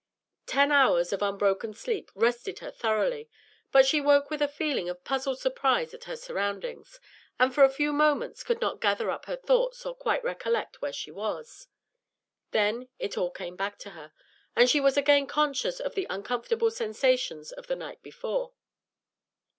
Ten hours of unbroken sleep rested her thoroughly, but she woke with a feeling of puzzled surprise at her surroundings, and for a few moments could not gather up her thoughts or quite recollect where she was. Then it all came back to her, and she was again conscious of the uncomfortable sensations of the night before.